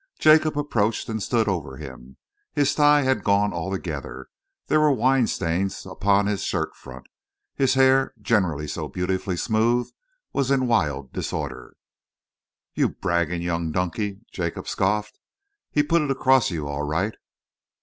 Jacob approached and stood over him. His tie had gone altogether, there were wine stains upon his shirt front, his hair, generally so beautifully smooth, was in wild disorder. "You bragging young donkey!" Jacob scoffed. "He's put it across you all right."